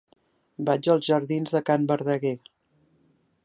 Vaig als jardins de Can Verdaguer.